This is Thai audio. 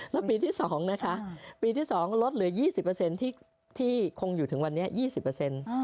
แล้วปีที่สองนะคะปีที่สองลดเหลือยี่สิบเปอร์เซ็นต์ที่ที่คงอยู่ถึงวันนี้ยี่สิบเปอร์เซ็นต์